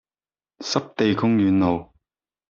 濕地公園路